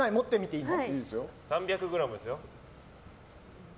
３００ｇですよ。